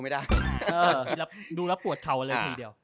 ก็จะดูเลย